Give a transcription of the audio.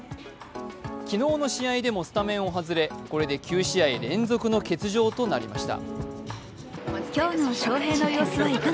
昨日の試合でもスタメンを外れこれで９試合連続の欠場となりました。